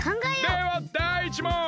ではだい１もん！